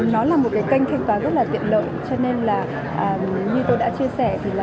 nó là một kênh thanh toán rất tiện lợi cho nên như tôi đã chia sẻ